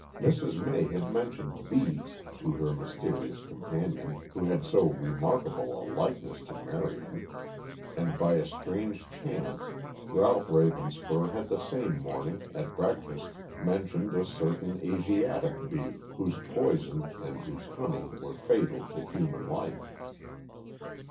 Mrs. May had mentioned bees to her mysterious companion, who had so remarkable a likeness to Marion, and by a strange chance Ralph Ravenspur had the same morning, at breakfast, mentioned a certain Asiatic bee, whose poison and whose honey were fatal to human life.